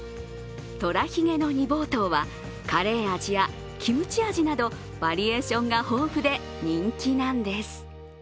虎ひげの煮ぼうとうはカレー味やキムチ味などバリエーションが豊富で人気なんです。